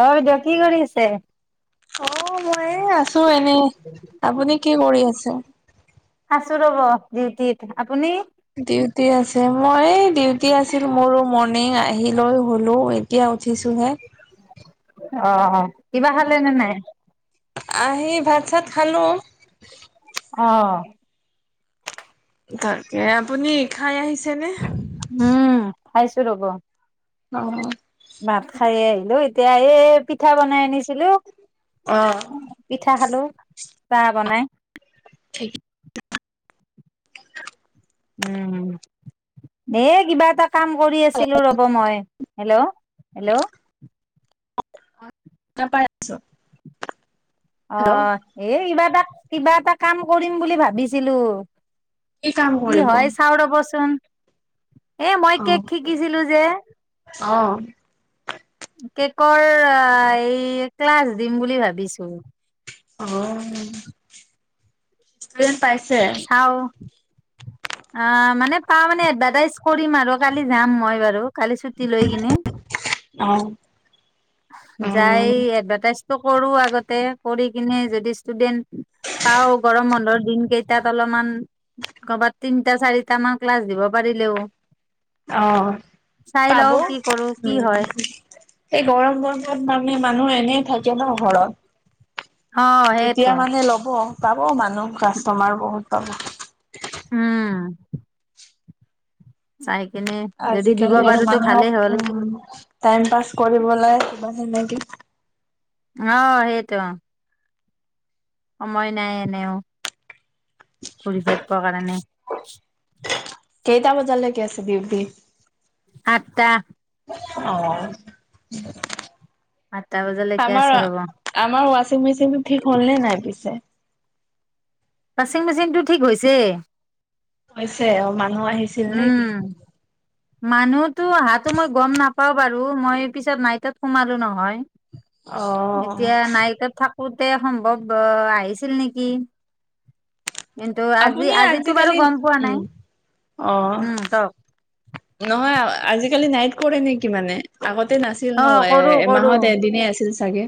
অ' বাইদেউ কি কৰি আছে? অ' মই এই আছো এনেই। আপুনি কি কৰি আছে? [unintelligible] আছোঁ ৰ'ব ডিউটিত, আপুনি? ডিউটি আছে আমি আহি লৈ শুলো, এতিয়া উঠিছোহে। অ' অ'। কিবা খালে নে নাই? আহি ভাত-চাত খালো। অ'। তাকে আপুনি খাই আহিছেনে? উম, খাইছো ৰ'ব। অ'। ভাত খাইয়ে আহিলো, এতিয়া এই পিঠা বনাই আনিছিলো। অ'। ঠা খালো, চাহ বনাই। ঠিক উম। এই কিবা এটা কাম কৰি আছিলোঁ ৰ'ব মই। Hello, hello. নাপাই আছ অ' এ কিবা এটা কিবা এটা কাম কৰিম বুলি ভাবিছিলো। কাম কি কৰিব? হয় চাও ৰ'বচোন। এ মই অ কেক শিকিছিলো যে অ'। কেকৰ, আ-এই ক্লাছ দিম বুলি ভাবিছো। অ'। পাইছে চাও আ, মানে পা মানে এডভাৰটাইজ কৰিম আৰু, কালি যাম মই বাৰু! কালি চুটি লৈ কিনে। অ যাই উম এডভাৰটাইজ কৰো আগতে, কৰি কিনে যদি ষ্টুডেন্ট পাও, গৰম বন্ধৰ দিনকেইটাত অলপমান কৰ'বাত। তিনিটা-চাৰিটামান ক্লাছ দিব পাৰিলেও। অ' চাই পাব। লওঁ কি কৰো কি হয় সেই গৰম বন্ধত মা। মানুহ এনেই থাকে ন ঘৰত! অ' তেতিয়া সেইটো মানে ল'ব, পাব মানুহ। কাষ্টমাৰ বহুত পাব। উম। চাইক। আজি কালি আৰু মানুহক উম টাইম পাছ কৰিবলৈ। ম নকি। [unintelligible] অ সেইটো। সময় নাই এনেও। কৰি থাকিব কাৰণে। কেইটা বজাৰ লৈকে আছে ডিউটি? আঠতা। অ। আঠটা বজালৈকে তামাৰ আছে ৰ'ব আমাৰ ৱাচিং মেচিন টো ঠিক হ'লনে নাই পিছে? ৱাশ্বিং মেচিনটো ঠিক হৈছে। হৈছে অ মা। উম মানুহতো অহাতো মই গম নাপাওঁ। বাৰু মই পিছত মাইটত সোমালো নহয়। অ এতিয়া নাইট থাকো। মোৰ মতে সম্ভৱ আহিছিল নেকি। কিন্তু আজি আপুনি আজিতো বাৰু আজিকালি গম পোৱা উম নাই। অ উম কওক নহয়। অ আজিকালি নাইট কৰে নিকি মানে! আতে নাছিল অ ন এ কৰো কৰো এমাহত এদিনেই আছিল। চাগে।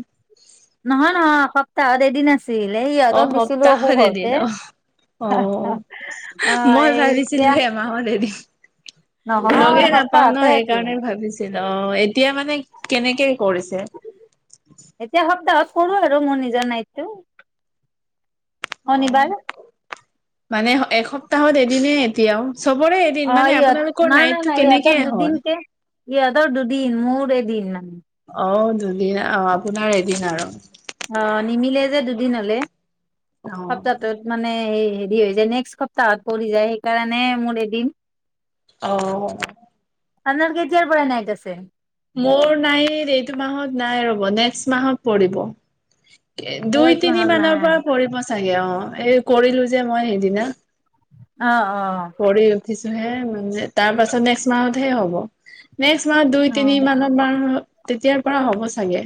তাত এদিন আছিল। চে অ সিহঁতক দিছিলো আকো সপ্তাহত ঘৰতে এদিন তে অ। অ অ মই এই ভাবিছিলো এতিয়া। এমাহত এদিন নহয় লগে নাপাওঁ ন সপ্তাহতে আছিল সেইকাৰণে ভাবিছিলো অ এতিয়া মানে। কেনেকে। কৰিছে। এতিয়া সপ্তাহত কৰো আৰু মোৰ নিজৰ নাইট টো। অ শনিবাৰ। মানে এসপ্তাহত এদিনে এতিয়াও? চবৰে এদিন অ মানে ই আপোনালোকৰ ন নাই নাইটটো নাই কেনেকে ইহঁতৰ হয় দুদিন কে ইহঁতৰ দুদিন দিন মোৰ এদিন। অ দুদিন অ আপোনাৰ এদিন আৰু। অ নিমিলে যে দুদিন হলে। অ সপ্তাহটোত মানে এই হেৰি হৈ যায় নেক্সট সপ্তাহত পৰি যায় সেইকাৰণে মোৰ এদিন অহ আপোনাৰ কেতিয়াৰ পৰা নাইত আছে মোৰ নাইত এইটো মাহত নাই ৰব নেক্সট মাহত পৰিব এ অ দুই এইটো তিনি মাহত মানৰ নাই পৰা পৰিব চাগে অ এ কৰিলো যে মই সেইদিনা অ অ পৰি উঠিছ [unintelligible] যে মানে তাৰ পাছত নেক্সট মাহত হে হ'ব নেক্সট মাহত দুই অ তিনি মানৰ ম তেতিয়াৰ পৰা হ'ব চাগে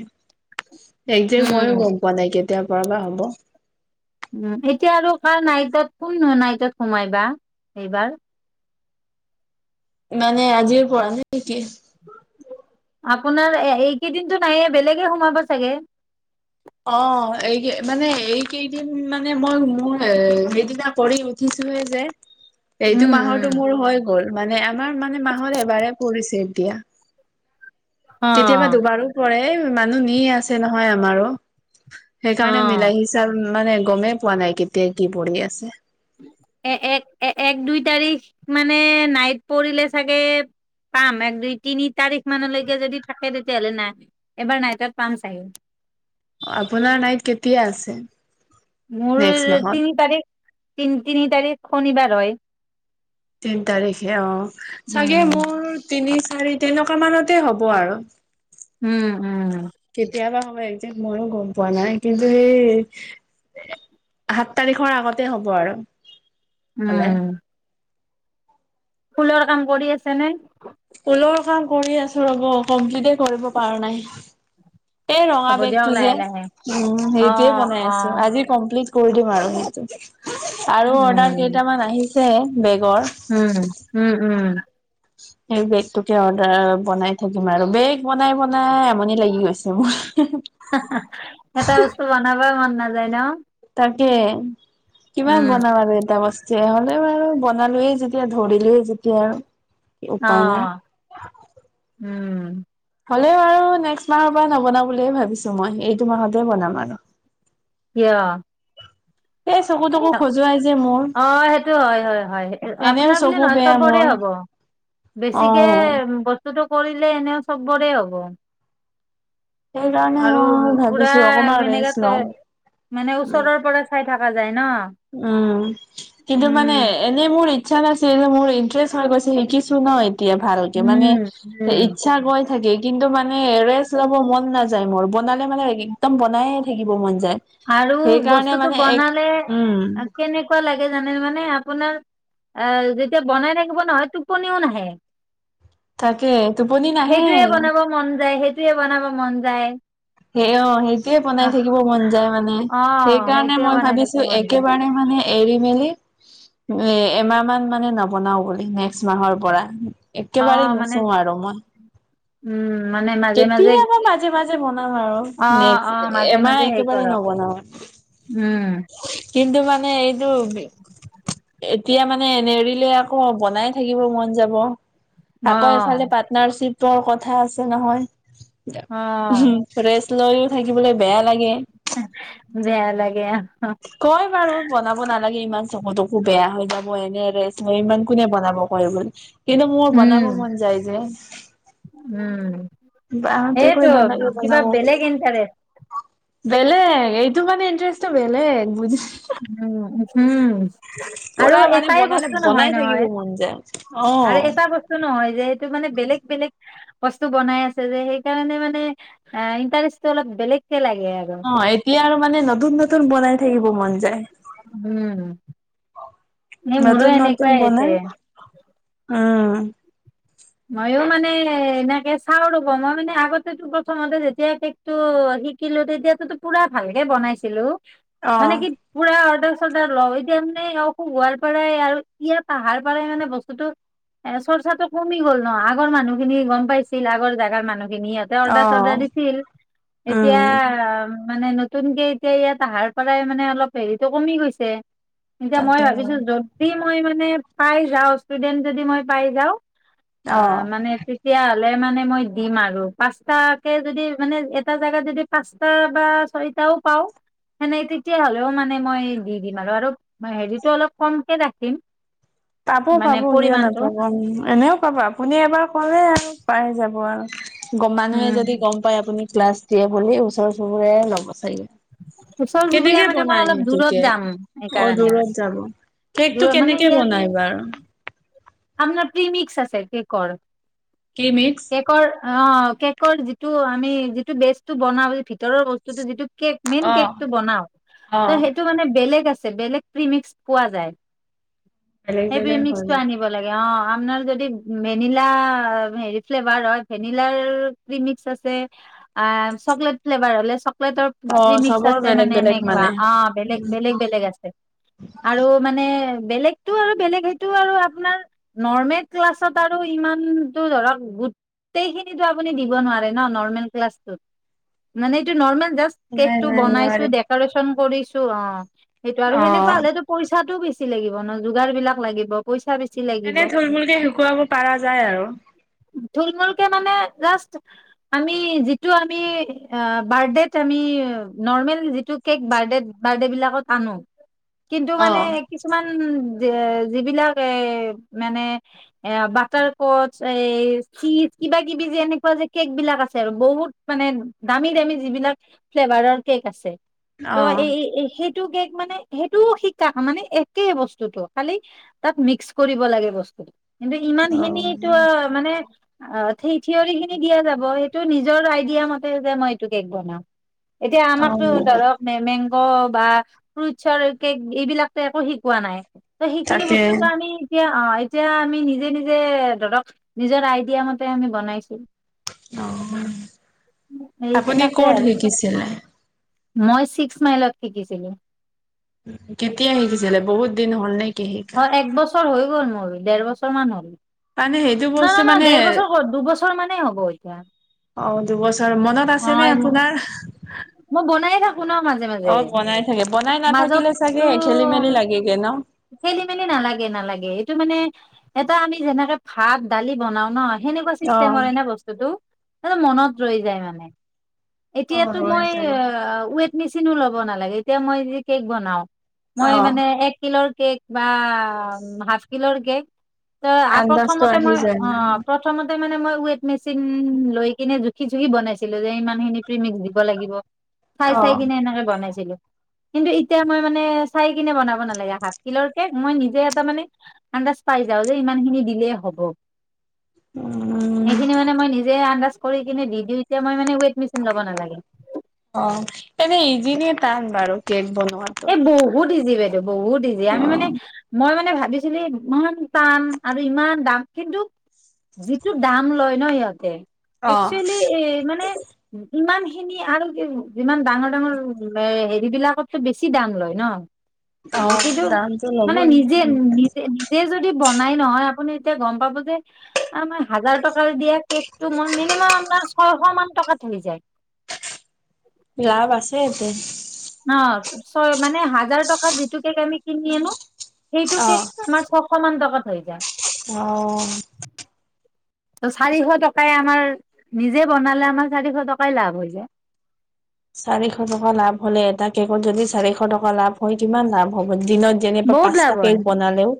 একজেক্ট ময়ো উম গম পোৱা নাই কেতিয়াৰ পৰা বা হ'ব ফোন ন নাইতো সোমাইবা এইবাৰ মানে আজিৰ পৰা নাই নেকি আপোনাৰ এইকেইদিনটো নাইে বেলেগে সোমাব চাগে অ এই মানে এইকেইদিন মানে মই মোৰ সেইদিনা কৰি উঠিছোহে যে এইটো উম মাহৰতো উম মোৰ হৈ গ'ল মানে আমাৰ মানে মাহত এবাৰে পৰিছে এতিয়া অ কেতিয়াবা দুবাৰো পৰে মানুহ নি আছে নহয় আমাৰো সেইকাৰণে অ মিল আহিছে আৰু মানে গমেই পোৱা নাই কেতিয়া কি পঢ়ি আছে এ এক এ এক দুই তাৰিখ মানে নাইট পৰিলে চাগে পাম এক দুই তিনি তাৰিখ মানলৈকে যদি থাকে তেতিয়াহ'লে নাই এবাৰ নাইটত পাম চাগে [unintelligible] আপোনাৰ নাইট কেতিয়া আছে মোৰ নেক্সট মাহত তিনি তাৰিখ তি তিনি তাৰিখ শনিবাৰ হয় তিনি তাৰিখে অ চাগে উম মোৰ তিনি চাৰি তেনেকোৱা মানতে হ'ব আৰু উম উম একজেক্ মইও গম পোৱা নাই কিন্তু সেই সাত তাৰিখৰ আগতে হ'ব আৰু [unintelligible] উম ফুলৰ কাম কৰি আছে নে লৰ কাম কৰি আছো ৰ'ব কমপ্লিতে কৰিব পাৰ নাই এই ৰঙা হ'ব দিয়ক বেগটো যে লাহে লাহে উ অ সেইটোৱেই বনাই অ আছো আজি কমপ্লিট কৰি দিম আৰু সেইটো আৰু অৰ্ডাৰ উম কেইটামান আহি যে বেগ উম! উম-উম। এই বেগটোকে অৰ্ডাৰ বনাই থাকিম আৰু। বেগ বনাই বনাই আমনি লাগি গৈছে মোৰ। এটা বস্তু বনাবা মন নাযায় ন? তাকে। কিমান উম বনাম আৰু এটা বস্তু তে হ'লে বাৰু বনালোয়ে যেতিয়া ধৰিলোয়েই যেতিয়া আৰু অ উপায় নাই। উম। হ'লেও আৰু নেক্সট মাহৰ পৰা নবনাও বুলিয়ে ভাবিছো মই। এইটো মাহতে বনাম আৰু। কিয়? এই চকু তকু খজুৱাই যে মোৰ অ সেইটো হয় হয় হয়, এনেও আপোনাৰ বুলি চকু নহয় বেয়া চবৰে মোৰ হ'ব, বেছিকে অ'। বস্তুটো কৰিলে এনে চব্বৰে হ'ব। সেইকাৰণে আৰু মই পুৰা ভাবিছো অকমান এনেকা ৰেষ্ট তই লওঁ মানে ওচৰৰ পৰা চাই থাক নাজায়। উম, কিন্তু মানে উম এনেই মোৰ ইচ্ছা নাছিল, মোৰ ইণ্টাৰেষ্ট হৈ গৈছে শিকিছো নহ এতিয়া ভালকে মানে উম উম ইচ্ছা গয় থাকে কিন্তু মানে ৰেষ্ট লব মন নাযায় মোৰ বনালে মানে একদম বনায়ে থাকিব মন যায়। আৰু সেইকাৰণে বস্তুটো মানে এক বনালে উম কেনেকুৱা লাগে জানে মানে আপোনাৰ আহ যেতিয়া বনাই থাকিব নহয় টোপনিও নাহে। তাকে টোপনি নাহে সেইটোয়ে বনাব মন যায়, সেইটোয়ে বনাব মন যায়। সেই অ সেইটোয়ে বনাই অ থাকিব মন মন যায় মানে। অ সেইকাৰণে সেইটোয়ে মই বনাই ভাবিছো থাকিব মন যায় একেবাৰে মানে এৰি মেলি, এ এমাহ মান মানে নবনাও বুলি নেক্সট মাহৰ পৰা অ একেবাৰে মানে নুচোও আৰু মই। উম। মানে মাজে মাজে কেতিয়াবা মাজে মাজে বনাম আৰু অ নেক্স অ মাজে এমাহ মাজে হেৰি একেবাৰে কৰক নবনাও। উম কিন্তু মানে এইটো এতিয়া মানে নেৰিলে আকৌ বনাই থাকিব মন যাব। অ আকৌ এফালে পাৰ্টনাৰশ্বিপ ত'ৰ কথা আছে নহয়। অ। লৈয়ও থাকিবলৈ বেয়া লাগে। বেয়া লাগে। কয় বাৰু বনাব নালাগে ইমান- চবতকো বেয়া হৈ যাব এনেৰে ন ইমান কোনে বনাব। হয় মান কিন্তু মোৰ উম বনাব মন যায় যে। উম, বাহঁতে কৈ সেইটো নালাগে কিবা বনাব বুলি বেলেগ ইণ্টাৰেষ্ট। বেলেগ এইটো মানে ইণ্টাৰেষ্ট বেলেগ বুজি উম। উম, উম, আৰু পুৰা মানে এটাই বনালে বস্তু নহয় বনাই থাকিব নহয়, মন যায়। অ', আৰু এটা বস্তু নহয় যে সেইটো মানে বেলেগ বেলেগ, বস্তু বনাই আছে যে সেইকাৰণে মানে, এ ইণ্টাৰেষ্টটো অলপ বেলেগ অ এতিয়া আৰু মানে নতুন নতুন বনাই থাকিব মন যায়। উম ন মোৰ নতুন নতুন এনেকুৱাই হৈছে। বনাই উম কে চাও ৰ'ব মই মানে আগতেতো প্ৰথমতে যেতিয়া কেক টো শিকিলো তেতিয়াতো পুৰা ভালকে বনাইছিলো। মানে অ', কি পুৰা অৰ চডাৰ লওঁ এতিয়া মানে অসুখ হোৱাৰ পৰাই আৰু ইয়াত আহাৰ পৰাই মানে বস্তুটো, এ চৰ্চাটো কমি গ'ল ন আগৰ মানুহখিনি গম পাইছিল আগৰ জেগাৰ মানুহ সিহঁতে অৰ্ডাৰ অ', চৰ্ডাৰ দিছিল, উম, এতিয়া মানে নতুনকে এতিয়া ইয়াত আহাৰ পৰাই মানে অলপ হেৰিটো কমি গৈছে। এতিয়া মই তাকে ভাবিছো যদি মই মানে পাই যাওঁ ষ্টুডেন্ট যদি মই পাই যাওঁ অ মানে তেতিয়া মানে মই দিম আৰু পাঁচটাকে যদি মানে এটা জাগাত যদি পাঁচটা বা ছয়টাও পাওঁ, সেনে তেতিয়া হ'লেও মানে মই দি দিম আৰু আৰু হেৰিতটো অলপ কমকে ৰাখিম। পাব মানে পাব কিয় পৰিমাণটো নাপাব উ এনেও পাব আপুনি এবাৰ ক'লে আৰু পাই যাব আৰু। গম মানুহে উম যদি গম পায় আপুনি ক্লাছতিয়ে বুলি ওচৰ চবুৰীয়াই ল'ব চাগে ওচৰ কেনেকে চুবুৰীয়া মানে মই বনাই অলপ সেইটো দূৰত কেক? যাম সেকাৰণে। কেক টো কেনেকে বনাই। বাৰু আপোনাৰ প্ৰিমিক্স আছে কেকৰ। ক্সিমিক্ছ কেকৰ অ কেকৰ যিটো আমি যিটো বেজটো বনাওঁ ভিতৰৰ বস্তুতটো যিটো কেক মেইন কেক অ', টো বনাও অ ত সেইটো মানে বেলেগ আছে। বেলেগ প্ৰিমিক্স পোৱা যায়। বেলেগ সেই প্ৰি বেলেগ হয় মিক্সটো না আনিব লাগে অ আপোনাৰ যদি ভেনিলা হেৰি ফ্লেভাৰ হয় ভেনিলাৰ ক্সিমিক্স আছে চকলেট ফ্লেভাৰ হলে [unintelligible] চকলেটৰ অ প্ৰিম্ৰিকস চবৰ আছে বেলেগ মানে বেলেগ এনেকুৱা মানে। অ বেলেগ, বেলেগ বেলেগ আছে আৰু মানে [unintelligible] বেলেগতটো আৰু বেলেগ সেইটো আৰু নৰ্মেল ক্লাছত আৰু ইমান ধৰক গোটেইখিনিত আপুনি দিব নোৱাৰে'ন নৰ্মেল ক্লাছতোত ট কেক নাই টো নাই বনাইছো নোৱাৰি ডেক'ৰেচন কৰিছ [unintelligible] চু অ সেইটো আৰু অ সেনেকুৱা হলেতো পইচাটো বেছি বেছি লাগিব ন যোগাৰ বিলাক লাগিব পইচা বেছি লাগিব এনে থুলমুলকে শোকুৱাব পাৰা যায় আৰু থুলমূুলকে মানে জাষ্ট আমি যিটো আমি বাৰ্ডেত আমি নৰ্মেল যিটো কেক ব বাৰ্ডে বিলাকত আনো। কিন্তু অ মানে কিছুমান উ যিবিলাক এ মানে এ বাটাৰকচ এই চীজ কিবা কিবি যে এনেকুৱা যে কেক বিলাক আছে আৰু বহুত মানে দামী দামী যিবিলাক ফ্লেভাৰৰ কেক আছে। ত অ এই সেই কেক মানে সেইটোও শিকা মানে একে বস্তুতটো খালি তাত মিক্স কৰিব লাগে বস্তুটো কিন্তু ইমান অ খিনিটো মানে অ সেই থিয়ৰী খিনি দিয়া যাব সেইটো নিজৰ আইডিয়া মতে যে মই এইটো কেক বনাম। এতিয়া অ আমাৰতো ধৰক মেমেং বা ফ্ৰুটছৰ কেক এইবিলাকো একো শিকোৱা নাই ত সেইখিনি তাকে বস্তুটো আমি অ এতিয়া আমি নিজে নিজে ধৰক নিজৰ আইডিয়া মতে আমি বনাইছো অ আপুনি এইবিলাকে কত আৰু শিকিছিলে মই ছিক্স মাইলত শিকিছিলো কেতিয়া শিকিছিলে বহুত দিন হল নে কি হিকা হয় এক বছৰ হৈ গ'ল মোৰ ডেৰ বছৰ মান হ'ল তানে সেইটো না বস্তু না না মানে দেৰ বছৰ ক'ত দুবছৰ মানেই হ'ব এতিয়া অ দুবছৰ মনত আছে নে হয় আপোনাৰ মই বনায়ে থাকো ন মাজে অ মাজে বনাই থাকে বনাই নাথাকিলে মাজতো চাগে খেলি মেলি লাগেগে ন খেলি মেলি নালাগে নালাগে এইটো মানে এটা আমি যেনেকে ভাত দালি বনাও ন সেনেকুৱা অ চিষ্টে মৰে ন বস্তুতটো টো মনত ৰৈ যায় মানে অ এতিয়াতো ৰৈ মই যায়। আ মেচিনো ল'ব নালাগে এতিয়া মই যে কেক বনাও মই অ মানে এক কিলৰ কেক বা হাফ কিলৰ কেক ত আন্দাজটো প্ৰথমতে আহি মই যায় অ মানে প্ৰথমতে মানে মই ৱেত মেচ লৈ কিনে জুখি জুখি বনাইছিলো যে ইমান খিনি প্ৰমিক্স দিব লাগ চাই অ চাই কিনে এনেকে বনাইছিলো কিন্তু এতিয়া মই মানে চাই কিনে বনাব নালাগে শাক তিলৰ কেক মই নিজে এটা মানে আন্দাজ পাই যাও যে ইমান খিনি দিলেই হব উম সেইখিনি মানে মই নিজে আন্দাজ কৰি কিনে দি দিওঁ এতিয়া মই মানে ৱেট মেচিন ল'ব নালাগে অ এনে ইজিনীয়ে টান বাৰু কেক ব নোহোৱাটো বিজি বাইদেউ বহুত ইজি আমি মানে মই মানে মানে ভাবিছিলি ইমান টান আৰু ইমান দাম কিন্তু যিটো দাম লয় ন সিহঁতে অ একচুৱেলি এ মানে ইমান খিনি আৰু যিমান ডাঙৰ ডাঙৰ এ হেৰি বিলাকত টো বেছি দাম লয় ন অ কিন্তু দামটো মানে ল'বই নিজে নিজে নিজে য বনাই নহয় আপুনি এতিয়া গম পাব যে মই হাজাৰ টকাৰ দিয়ে কেকটো ম মিনিমাম ছশ মান টকাত হৈ যায় লাভ আছে ইতে ন ছয় মানে হাজাৰ টকা যিটো কেক আমি কিনি আনো সেইটোকে আমাৰ ছশ মান টকাত হৈ যায় অ ত চাৰিশ টকাই আমাৰ নিজে বনালে আমাৰ চাৰিশ টকাই লাভ হৈ যায় চাৰিশ টকা লাভ হলে এটা কেকত যদি চাৰিশ টকা লাভ হয় কিমান লাভ হ'ব দিনত যেনিবা বহুত লাভ পাঁচতা হয় কৈ বনালেও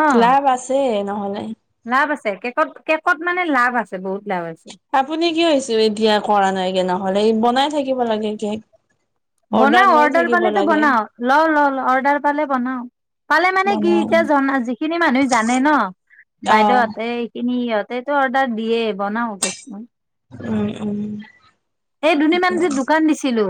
অ লাভ আছে নহ'লে লাভ আছে কেকত কেকত মানে লাভ আছে বহুত লাভ আছে আপুনি কি হৈছে এতিয়া কৰা নাইকে নহলে বনাই থাকি বনাও লৈ অৰ্ডাৰ থাকিব পালেতো লাগে বনাও ল ল অৰ্ডাৰ পালে বনাও পালে মানে কি বনাই এতিয়া জ যিখিনি মানুহ জানে ন অ বাইদেউহতে এইখিনি ইহত তেইটো অৰ্ডাৰ দিয়ে বনাও কেক মই উম উম এই দু দিনমান যে দোকান দিছিলো